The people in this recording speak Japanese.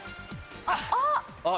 あっ！